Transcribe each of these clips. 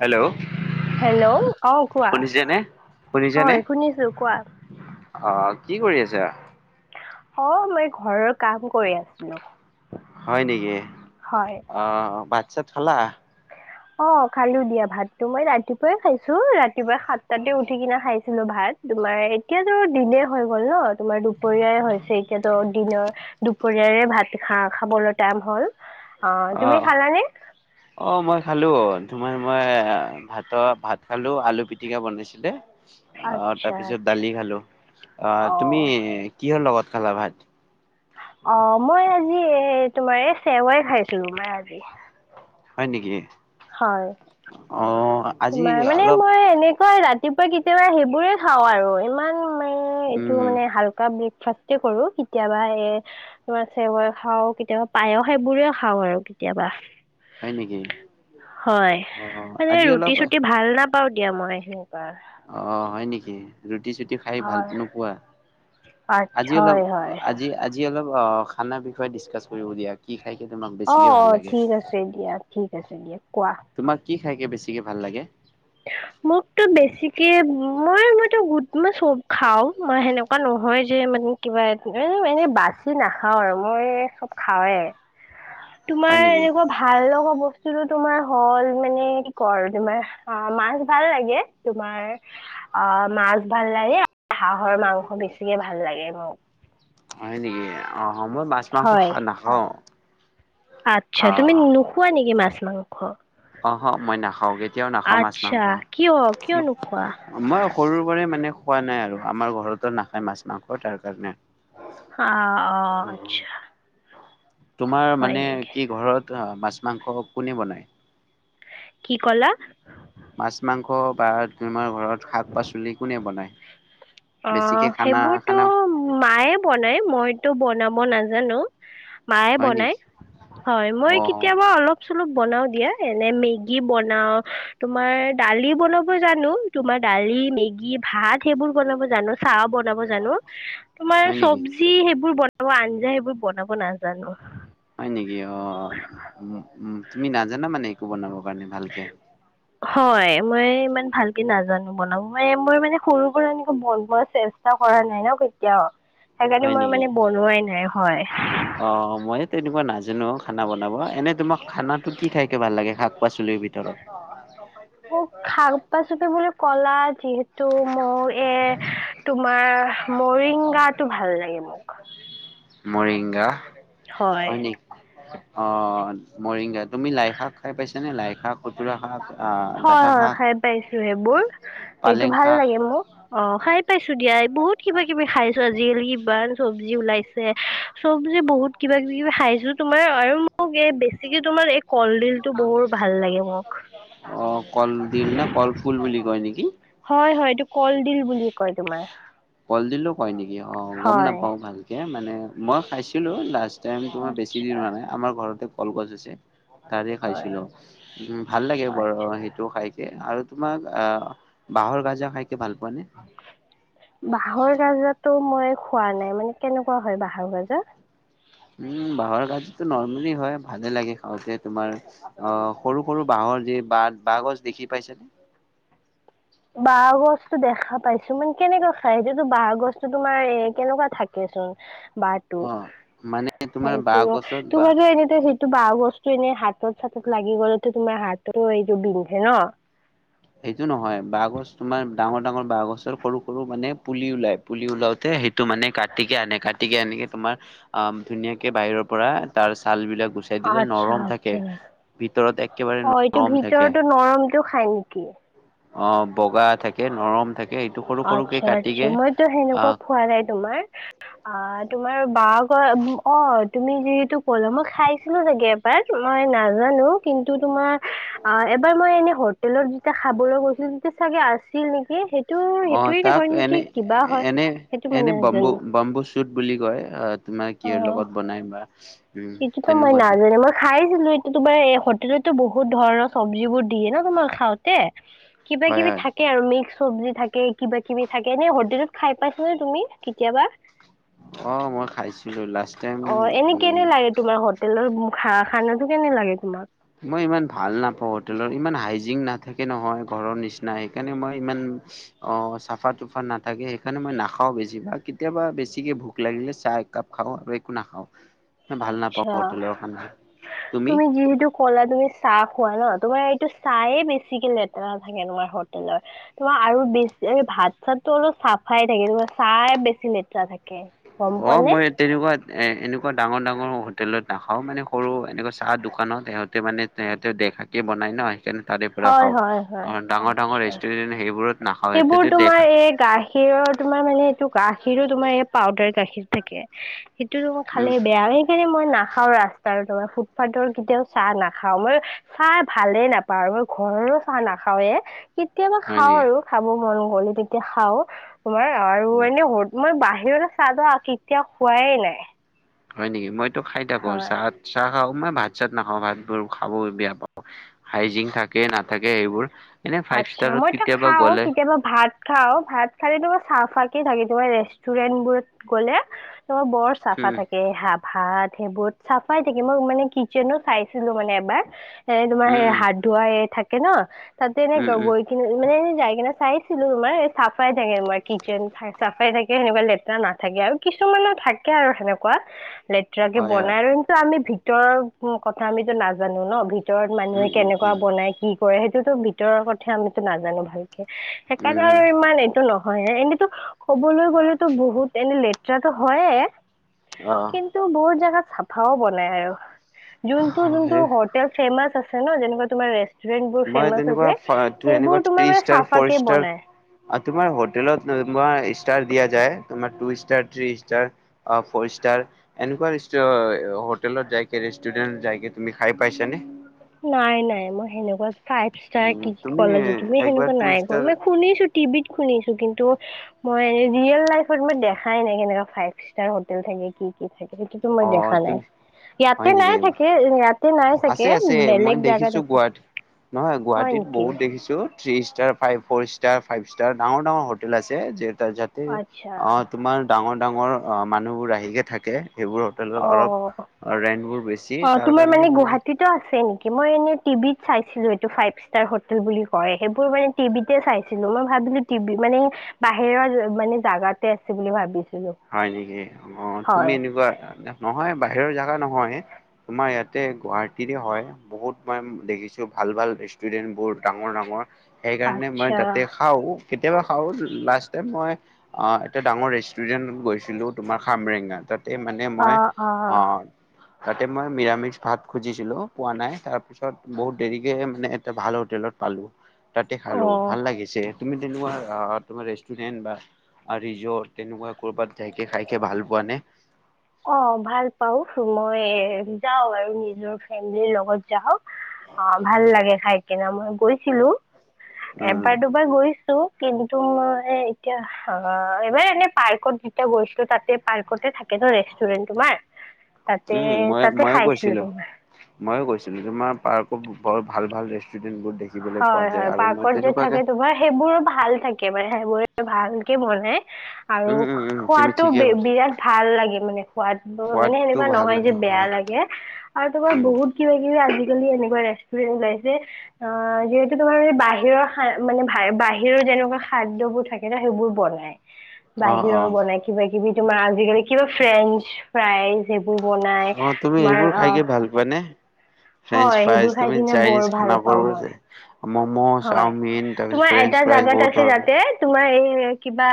Hello? Hello অ' কোৱা? শুনিছেনে শুনিছেনে হয়, শুনিছো কোৱা? অ' কি কৰি আছা? অ' মই ঘৰৰ কাম কৰি আছিলো। হয় নেকি? হয় অ' ভাত ছাত খালা? অ' খালো দিয়া ভাতটো, ৰাতিপুৱাই খাইছো ৰাতিপুৱাই সাতটাতে উঠি কিনে খাইছিলো ভাত। তোমাৰ এতিয়াতো দিনে হৈ গ'ল ন তোমাৰ দুপৰীয়াই হৈছে এতিয়াতো দিনৰ। দুপৰীয়াৰে ভাত খা খাবলৈ টাইম হল অ তুমি খালানে। অ মই খালো তোমাৰ মই ভাতৰ ভাত। খালোঁ আলু পিটিকা বনাইছিলে। অ আচ্ছা তাৰ পিছত আচ্ছা দালি খালো অ অ তুমি কিহৰ লগত খালা ভাত। অ মই আজি এ তোমাৰ এই চেৱাই খাইছিলো মই আজি। হয় নেকি? হয়। অঁ। তোমাৰ মানে মই এনেকুৱা ৰাতিপুৱা কেতিয়াবা সেইবোৰে খাও আৰু ইমান। ম এইটো উম হালকা ব্ৰেকফাষ্টে কৰো কেতিয়াবা এ। ভাতো আচে মই খাওঁ কেতিয়াবা পায়স সেইবোৰে খাওঁ আৰু কেতিয়াবা। হয় নেকি হয় অ আজি ৰুত। অলপ ভাল নাপাও দিয়া মই সেনেকুৱা। অ হয় নেকি ৰুটি চুটি। খাই ভাল হয় নোপোৱা আজি আচ্ছা অলপ হয় হয় আজি। আজি অলপ অ খানা বিষয়ে ডিচকাচ কৰিম দিয়া। কি খাই কি তোমাক অ বেছিকে অ ভাল লাগে ঠিক আছে দিয়া ঠিক আছে দিয়া কোৱা। তোমাক কি খাইকে বেছিকে ভাল লাগে। মোকতো বেছিকে মই মই গোট মই চব খাও মই সেনেকা। এনেুৱা নহয় যে মানে কিবা এ এনে বাচি নাখাও আৰু মই চব খাওৱে। [inaudible] তোমাৰ নেকি এনেকুৱা ভাল লগা বস্তুতটো তোমাৰ হ'ল মানে কি ক আৰু তোমাৰ। অ মাছ ভাল লাগে তোমাৰ। অ মাছ ভাল লাগে হাঁহৰ মাংস বেছিকে ভাল লাগে মোক। হয় নেকি আহ মই মাছ মাংস হয়। খা নাখাওঁ। আচ্ছা অ তুমি নোখোৱা নেকি মাছ মাংস। অ হ মই নাখাওঁ কেতিয়াও নাখাওঁ আচ্ছা মাছ-মাংস। কিয় কিয় নোখোৱা? মই সৰু পৰাই মানে খোৱা নাই আৰু আমাৰ ঘৰতো নাখায় মাছ মাংস তাৰ কাৰণে। অ অ আচ্ছা।। তোমাৰ হয় মানে নেকি? কি ঘৰত মাছ মাংস কোনে বনায়? কি কলা? মাছ মাংস বা তোমাৰ ঘৰত শাক পাচলি কোনে বনায়? অ বেছিকে খানা সেইবোৰতো খানা মায়ে বনায় মইতো বনাব নাজানো। মায়ে হয় বনায় নেকি হয় মই অ কেতিয়াবা অলপ। চলপ বনাও দিয়া এনে মেগী বনাও তোমাৰ দালি বনাব জানো। তোমাৰ দালি মেগী। ভাত সেইবোৰ বনাব জানো চাহ বনাব জানো তোমাৰ হয় নেকি চবজি। যি সেইবোৰ বনাব আঞ্জা সেইবোৰ বনাব নাজানো। হয় নেকি অ। উ উ তুমি নাজানা মানে একো বনাব কাৰণে ভালকে। হয় মই ইমান ভালকে নাজানো বনাম মই মোৰ মানে সৰু পৰা এনেকে বনোৱা চেষ্ট। কৰা নাই ন কেতিয়াও সেইকাৰণে হয় মই নেকি মানে বনোৱাই নাই হয়। অ মইয়ে তেনেকুৱা নাজানো খানা বনাব এনে তোমাক খানাটো কি ভাল লাগে শাক পাচলিৰ ভিতৰত? অ', খাক পাচুকে বুলি কলা যি ত, মোৰ এ, তোমাৰ মৰিংগাটো ভাল লাগে মোক। মৰিংগা হয় নিক অ', মৰিংগা তুমি লাই শাক খাই পাইছ নে? লাই শাক, খুতুৰা শাক আহ হয়। ডাঠা হয়। শাক খাই পাইছো। সেইবোৰ সেইটো পালেং ভাল শাক লাগে মোক অ, খাই পাইছো দিয়া। বহুত কিবা কিবি খাইছো, আজিকালি ইবাৰ চব্জি ওলাইছে চব্জি বহুত কিবা কিবি খাইছো। তোমাৰ আৰু মোক এই বেছিকে তোমাৰ [unintelligible] কলডিলটো বহুৰ ভাল লাগে। মোক অ', কলদিল নে কলফুল বুলি কয় নেকি? হয়। হয়। এইটো কলডিল বুলি কয় তোমাৰ। কলদিলো কয় নেকি অ, গম হয়। নাপাওঁ। ভালকে মানে মই খাইছিলো। লাষ্ট [unintelligible] তোমাৰ বেছি দিন আচ্ছা হোৱা নাই। আমাৰ ঘৰতে কলগছ আছে। তাৰে হয় খাইছিলো। উম, ভাল লাগে বাৰু আচ্ছা। সেইটো খাই আৰু তোমাক আহ বাঁহৰ গাজা খাইকে ভাল পোৱা নে? বাঁহৰ গাজাটো মই খোৱা নাই মানে কেনেকুৱা হয়। বাঁহৰ গাজা? উম', বাঁহৰ গাজিতো নৰ্মেলি হয়। ভালে লাগে খাওঁতে তোমাৰ। অ', সৰু সৰু বাঁহৰ যি বাঁহ বাঁহ গছ দেখি পাইছেনে? বাহ গছটো দেখা পাইছো মানে কেনেকুৱা খাই এইো বাহ গছতো তোমাৰ এ কেনেকুৱা থাকেচোন বাহটো অ মানে তোমাৰ বাঁহ সেইটো গছত বাঁহ তোমাৰ এনে টো বাহ গছটো এনেই হাতত চাতত লাগি গ'লেতো তোমাৰ হাততো এইটো বিন্ধে ন? সেইটো নহয়। বাঁহ গছ তোমাৰ ডাঙৰ ডাঙৰ বাঁহ গছৰ সৰু সৰু মানে পুলি ওলাই পুলি ওলাওতে সেই টো মানে কাটিকে কাটিকে আনে তোমাৰ অ, ধুনীয়াকে বাহিৰৰ পৰা তাৰ ছাল বিলাক গুচা সেইটোযে আচ্ছা নৰম থাকে। আচ্ছা ভিতৰত একেবাৰে নৰম থাকে। টো খাই নেকি? অ বগা থাকে নৰম থাকে সেইটো সৰু সৰুকে আচ্ছা', আচ্ছা, কাটিকে মইতো সেনেকুৱা আহ খোৱা নাই, তোমাৰ অ', তোমাৰ বা অ, তুমি যিহেতু কলা মই খাইছিলো চাগে মই নাজানো, কিন্তু তোমাৰ অ এবাৰ মই এনে হোটেলত যেতিয়া খাবলৈ গৈছিলো। [unintelligible] চাগে আছিল নেকি সেই অ', তাক এনে এনে সেইটো মই এনে বম্বু নাজানো বম্বু চো চোত বুলি কয়। তোমাৰ কিহৰ লগত বনাই বা উম সেইটোতো মই তেনেকুৱাতো নাজানে মই খাইছিলো। এইটো তোমাৰ এই হোটেলতো বহুত ধৰণৰ চব্জিবোৰ দিয়ে ন, তোমাৰ খাওঁতে, কিবা হয় কিবি হয় থাক কে আৰু মিক্স চব্জি থাকে। কিবা-কিবি থাকে। এনে হোটেলত খাই পাইছানে তুমি কেতিয়াবা? অ', মই খাইছিলো। লাষ্ট টাইম অ এনে উম, কেনে লাগে তোমাৰ? হোটেলৰ উম খা খানাটো কেনে লাগে তোমাৰ? মই ইমান ভাল নাপাওঁ। হোটেলত, ইমান হাইজিং নাথাকে নহয়। ঘৰৰ নিচিনা, সেইকাৰণে মই ইমান অ', চাফা-তুফা নাথাকে। সেইকাৰণে মই নাখাও, বেছিভাগ কেতিয়াবা বেছিকে ভোক লাগিলে চাহ এক কাপ খাও আৰু একো নাখাও। ভাল নাপাওঁ আচ্ছা। হোটেলৰ খানা। তুমি? কলা তুমি চাহ খোৱা ন? তোমাৰ এইটো চাহেই বেছিকে লেতেৰা থাকে তোমাৰ হোটেলত। তোমাৰ আৰু বেছি ভাত-চাতো অলপ চাফাই থাকে। তোমাৰ চাহেই বেছি লেতেৰা থাকে। গম পোৱা অ', নে? মই এট তেনেকুৱাত এ, এনেকুৱা ডাঙৰ-ডাঙৰ হোটেলত নাখাওঁ, মানে সৰু এনেকুৱা চাহ দোকানত সিহঁতে মানে সেহঁতে দেখাকে বনাই [unintelligible] সেইকাৰণে তাতে বহ পুৰা হয় খাওঁ হয় হয়। আৰু ডাঙৰ-ডাঙৰ আচ্ছা। ৰেষ্টুৰেণ্ট এনেকে সেইবোৰত নাখাওঁ। সেইটোতো দেখা সেই গা খীৰৰ তোমাৰ মানে এইটো গাখীৰো তোমাৰ এই পাউদাৰ গাখীৰ থাকে। সেইটো [unintelligible] খালে উম বেয়াৱেই। সেইকাৰণে মই নাখাওঁ ৰাস্তাৰ তোমাৰ ফুটপাথৰ কেতিয়াও চাহ নাখাও মই খাই ভালে নাপাওঁ আৰু মই ঘৰৰো চাহ নাখাওৱে কেতিয়াবা হয় খাওঁ নেকি আৰু খাব মন গ'লে তেতিয়া খাওঁ। তোমাৰ আৰু অ এনেই হোট মই বাহিৰৰো চাহ- দাহ কেতিয়াও খোৱাই নাই। হয় নেকি, মইতো খায় থাকো হয়। চাহ-চাহ খাওঁ মই ভাত-চাত নাখাওঁ ভাতবোৰ খাব বেয়া পাওঁ। হাইজিং থাকে নাথাকে এইবোৰ আচ্ছা মইতো খাও কেতিয়াবা ভাত খাও ভাত খালে [unintelligible] চাফাকে থাকে তোমাৰ ৰেষ্টুৰেণ্ট বোৰত গ'লে তোমাৰ বৰ চাফা উম থাকে হাব ভাত সেইবোৰত চাফাই থাকে মই মানে কিটচেনত চাইছিলো মানে এবাৰ এ তোমাৰ উম সে উম হাত ধুৱাই এ থাকে না, তাতে এনে উম উম গাৱৈ কিন মানে যাই কিনে চাইছিলো তোমাৰ চাফাই থাকে তোমাৰ কিটচেন চাফাই থাকে সেনেকুৱা লেতেৰা নাথ থাকে আৰু কিছুমানৰ থাকে আৰু সেনেকুৱা লেত তেৰাকে হয় বনাই হয় আৰু কিন্তু আমি ভিতৰৰ কথা আমিতো নাজানো ন, ভিত ভিতৰত মানুহে উম উম কেনেকুৱা উম বনাই কি কৰে সেইটোতো ভিতৰৰ কথা আমিতো নাজানো ভালকে সেইকাৰণে উম আৰু ইমান এইটো নহয় এনেতো ক'বলৈ গ'লেতো বহুত এনে লেতেৰাতো হয়ে অ কিন কিন্তু বহুত জেগাত চফাও বনাই আৰু যোনটো-যোনটো সেই হোট [unintelligible] ফেমাচ আছে ন, যেনেকুৱা তোমৰ ৰেষ্টুৰেণ্ট বোৰ মই ফেমাচ। তেনেকুৱা [unintelligible] টো সেইবোৰ তোমাৰ মানে চাফা কে বনাই। আ, তোমাৰ হোটেলত তোমাৰ ষ্টাৰ দিয়া যায় তোমাৰ টু ষ্টাৰ, থ্ৰী ষ্টাৰ। অ, ফৰ ষ্টাৰ। এনেকুৱা ৰেষ্টু অ, হোটেলত যাইকে ৰেষ্টুৰেণ্টত যাইকে তুমি খাই পাইছানে? নাই-নাই মই সেনেকুৱা ফাইভ ষ্টাৰ উম কি - কি তুমি ক'লে যে তুমি একবাৰ সেনেকুৱা টু নাই কোৱা ষ্টাৰ মানে শুনিছোঁ টিবিত শুনিছোঁ কিন্তু মই এনে ৰিয়েল লাইফত মই দেখাই নাই কেনেকা ফাইভ ষ্টাৰ হোটেল থাকে, কি-কি থাকে। সেইটোতো মই অ দেখা নাই তুমি ইয়াতে হয় নাই থাকে ইয়াতে নাই চাগে। তে মই বেলেগ জাগাত দেখিছোঁ আছে গুৱাহাটীত নহয় হয় গুৱাহাটীত নেকি বহুত দেখি দেখিছোঁ three star, five, four star, five star ডাঙৰ-ডাঙৰ হোটেল আছে যেহেতু য'ত তে আচ্ছা অ, তোমাৰ ডাঙৰ-ডাঙৰ অ, মানুহবোৰ আহিকে থাকে সেইবোৰত। হোটেলৰ অ অলপ ৰেন্ট বোৰ বেছি অ তাৰ তোমাৰ কাৰণে মানে মানে গুৱাহাটীতো আছে নেকি? মই এনেই টিভিত চাইছিলো এইটো ফাইভ ষ্টাৰ হোটেল বুলি কয় সেইবোৰ মানে টিভিতে চাইছিলো মই ভাবিলো টিভি মানে বাহিৰৰ মানে জাগাতে আছে বুলি ভাবিছিলোঁ। হয় নেকি অ, তুমি এনেকুৱা নহয় বাহিৰৰ জেগা নহয় তোমাৰ ইয়াতে গুৱাহাটীৰে হয়। বহুত মই দেখিছো ভাল-ভাল ৰেষ্টুৰেন্ট বোৰ ডাঙৰ-ডাঙৰ সেইকাৰণে মই আচ্ছা তাতে খাওঁ কেতিয়াবা খাওঁ লাষ্ট টাইম মই অ, এটা ডাঙৰ ৰেষ্টুৰেণ্ট গৈছিলো তোমাৰ খামৰেঙা তাতে মানে মই অঁ অঁ আহ তাতে মই মিৰামিচ ভাত খুজিছিলোঁ পোৱা নাই তাৰ পিছত বহুত দেৰিকে হে মানে এটা ভাল হোটেলত পালো তাতে খালো অঁ ভাল লাগিছে। তুমি তেনেকুৱা অ, তোমাৰ ৰেষ্টুৰেন্ট বা আ ৰিজৰ্ট তেনেকুৱা ক'ৰবাত যাইকে খাই কে ভাল পোৱা নে? অঁ, ভাল পাও, মই যাওঁ আৰু নিজৰ ফেমিলিৰ লগত যাওঁ। অঁ, ভাল লাগে খাই কিনে মই গৈছিলো, উম এবাৰ দুবাৰ গৈছো। কিন্তু মই এতিয়া অঁ, এইবাৰ এনে পাৰ্কত যেতিয়া গৈছিলো তাতে পাৰ্কতে থাকে ন ৰে ষ্টুৰেণ্ট তোমাৰ, তাতে উম মই তাতে ময়ে খাইছিলো গৈছিলো তোমাৰ। ময়ো গৈছিলো তোমাৰ পাৰ্কত বিৰ ভাল ভাল ৰেষ্টুৰেণ্টবোৰ হয় হয়, পাৰ্কত যে থাকে তোমাৰ সেইবোৰো ভাল থা একেবাৰে সেইবোৰে ভালকে বনাই, আৰু উম উম উম তুমি খোৱাতটো ঠিকেই বি ক'লা বিৰাট ভাল লাগে মানে সোৱাদটো মানে সোৱাদটো সেনেকুৱা ভাল নহয় যে লাগে বেয়া হয় লাগে, আৰু তোমাৰ উম বহুত কিবা কিবি আজিকালি এনেকুৱা ৰেষ্টুৰেন্ট ওলাইছে অঁ, যিহেতু তোমাৰ এই বাহিৰৰ মানে বাহিৰৰ যেনেকুৱা খাদ্যবোৰ থাকে ন সেইবোৰ বনায়। [inaudible] বাহিৰৰ বনাই কিবা কিবি তোমাৰ আজিকালি কিবা ফ্ৰেঞ্চ ফ্ৰাই সেইবোৰ বনাই, তোমাৰ অঁ হয় নে। ফ্ৰেঞ্চ ফ্ৰাইজ, খাই তুমি কিনে বৰ চাইনিজ ভাল খানা পাওঁ মই যে মমো, হয়। চাওমিন তোমাৰ তাৰপিছত এটা ফ্ৰেঞ্চ প্ৰাইজ জাগাত বহুত আছে ধৰণৰ যাতে তোমাৰ এই কিবা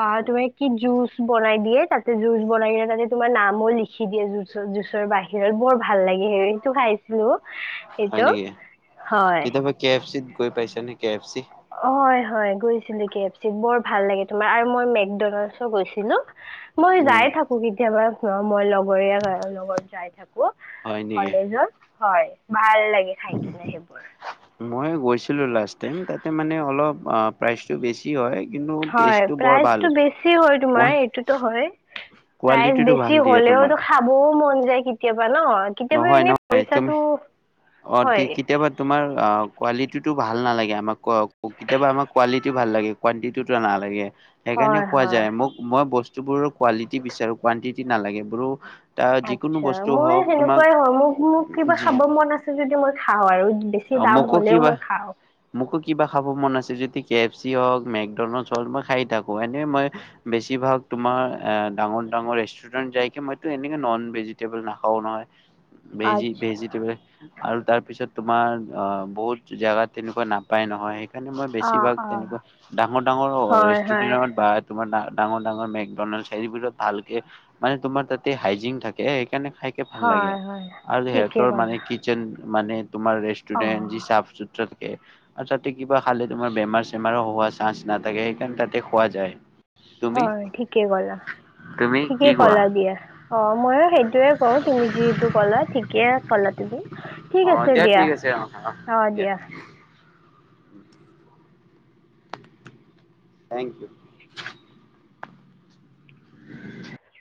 অঁ, তোমাৰ কি জুচ বনাই দিয়ে তাতে জুচ বনাই কিনে তাতে তোমাৰ নামো লিখি দিয়ে জুঁচত, জুচৰ বাহিৰত, বৰ ভাল লাগে হে সেইটো খাইছিলো। হয় সেইটো নেকি, হয়। কেতিয়াবা কে এফ চিত গৈ পাইছা নে কে এফ চি? অঁ, হয় হয় গৈছিলো কে এফ চিত বৰ ভাল লাগে তোমাৰ আৰু মই মেকডনল্ডছো গৈছিলো। [inaudible] মই যায়েই থাকো কেতিয়াবা অঁ মই লগৰীয়া লগত যাই থাকো। হয় নেকি। কলেজত হয়, ভাল লাগে খাই কিনে সেইবোৰ। মই গৈছিলোঁ লাষ্ট টাইম তাতে মানে অলপ অঁ প্ৰাইজ হয়, ভাল প্ৰাইজটো বেছি হয় কোৱা তোমাৰ এইটোতো হয়েই। প্ৰাইজ কোৱালিটিটো ভাল বেছি দিয়ে তোমাক হ'লেয়েতো খাবয়ো মন যায় কেতিয়াবা ন। কেতিয়াবা নহয় এনেই নহয় তুমি পইচাটো অ তি হয়। কেতিয়াবা তোমাৰ কোৱালিটিটো ভাল নালাগে আমাক, কেতিয়াবা আমাৰ কোৱালিটি ভাল লাগে। কোৱানটিটো নালাগে। সেইকাৰণে হয় কোৱা হয় যায় মোক মই বস্তুবোৰৰ কোৱালিটি বিচাৰো কোৱানটিটি নালাগে এইবোৰো তাৰ যিকোনো বস্তু হওক তোমাক হয় হয়, মোক মোক কিবা যি খাব মন আছে যদি মই খাওঁ আৰু বেছি দাম মোকো হলেও কিবা মই খাওঁ। মোকো কিবা খাব মন আছে যদি কে এফ চি হওক মেকডনাল্ড হওক মই খাই থাকো এনে মই বেছিভাগ তোমাৰ এ ডাঙৰ ডাঙৰ ৰেষ্টু ৰেণ্ট যাইকে মইটো এনেকে নন ভেজিটেবল নাখাও নহয়, ভেজি আচ্ছা ভেজীটোৱে আৰু তাৰ পিছত তোমাৰ অঁ বহুত জোগাত তেনেকুৱা নাপায় নহয়, সেই সেইকাৰণে মই অ বেছিভাগ অ তেনেকুৱা ডাঙৰ ডাঙৰ হয় হয় ৰেষ্টুৰেণ্টত বা তোমাৰ ডাঙৰ ডাঙৰ মেকডনাল্ড চাই বোৰত ভালকে মানে তোমাৰ তাতে হাইজিন থাকে, সেইকাৰণে খাইকে ভাল লাগে হয় হয় আৰু ঠিকে সিহঁতৰ ক'লা মানে কি টচেন মানে তোমাৰ অ ৰেষ্টুৰেণ্ট যি চাফ চুতৰা থাকে। আৰু তাতে কিবা খালে তোমাৰ বেমাৰ চেমাৰ হোৱা চান্স নাথাকে, সেইকাৰণে তাতে খোৱা যায়। তুমি হয় ঠিকে ক'লা, তুমি ঠিকে কি কোৱা? ক'লা দিয়া, অঁ ময়ো সেইটোয়ে কওঁ তুমি যিটো ক'লা ঠিকে কলা তুমি, ঠিক অ আছে দিয়া ঠিক আছে অ অ দিয়া। Thank U. [inaudible]